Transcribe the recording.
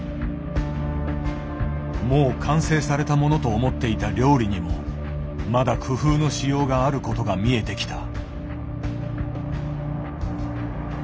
もう完成されたものと思っていた料理にもまだ工夫のしようがあることが見えてきた。